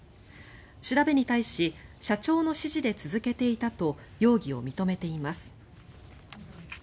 調べに対し社長の指示で続けていたと容疑を認めています。